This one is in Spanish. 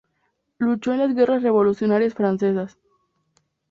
Luchó en las Guerras Revolucionarias Francesas.